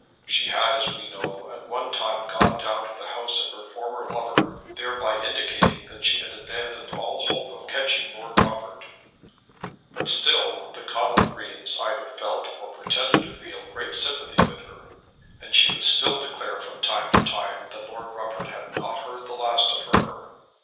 She had, as we know, at one time gone down to the house of her former lover, thereby indicating that she had abandoned all hope of catching Lord Rufford. But still the Connop Greens either felt or pretended to feel great sympathy with her, and she would still declare from time to time that Lord Rufford had not heard the last of her.